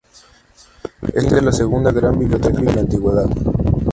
Este fue el fin de la segunda gran biblioteca de la Antigüedad.